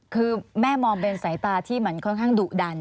คือแม่มองเป็นสายตาที่มันค่อนข้างดุดัน